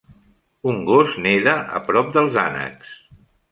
un gos neda a prop dels ànecs.